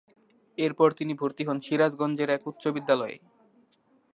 এরপর তিনি ভর্তি হন সিরাজগঞ্জের এক উচ্চ বিদ্যালয়ে।